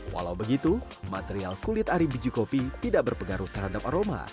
walau begitu material kulit ari biji kopi tidak berpengaruh terhadap aroma